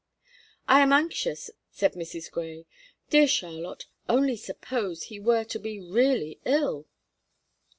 "I am anxious," said Mrs. Grey. "Dear Charlotte, only suppose he were to be really ill!"